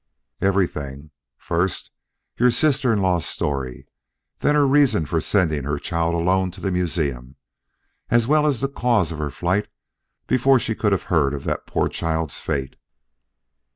"Everything. First, your sister in law's story, then her reasons for sending her child alone to the museum, as well as the cause of her flight before she could have heard of that poor child's fate.